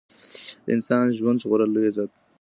د انسان ژوند ژغورل لوی عزت دی.